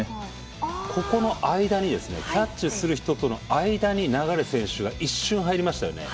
ここの間にキャッチする人との間に流選手が一瞬入りましたよね。